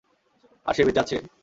আর সে বেঁচে আছে।